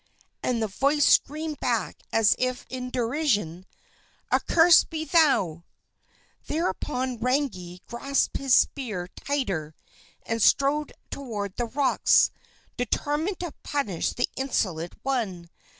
And the voice screamed back as if in derision: "Accursed be thou!" Thereupon Rangi grasped his spear tighter, and strode toward the rocks, determined to punish the insolent one.